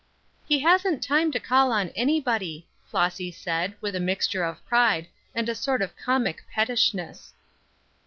"He hasn't time to call on anybody," Flossy said, with a mixture of pride, and a sort of comic pettishness.